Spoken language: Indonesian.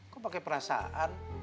kok pakai perasaan